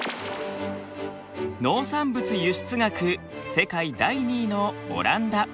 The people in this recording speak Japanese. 農産物輸出額世界第２位のオランダ。